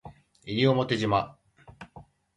西表島